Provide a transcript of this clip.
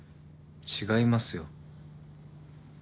違いますよ。